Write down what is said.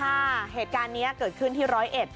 เหตุการณ์นี้เกิดขึ้นที่ร้อยเอ็ด